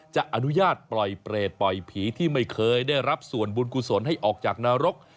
จะอนุญาตปล่อยเปรตปล่อยผีที่ไม่เคยได้รับส่วนบุญกุศลให้ออกจากนรก